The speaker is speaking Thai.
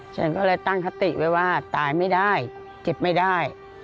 ฉันก็เลยตั้งคติไว้ว่าตายไม่ได้เจ็บไม่ได้